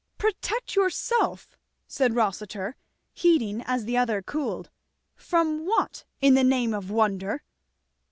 "Protect yourself!" said Rossitur, heating as the other cooled, from what, in the name of wonder?"